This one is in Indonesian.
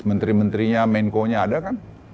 menteri menterinya menko nya ada kan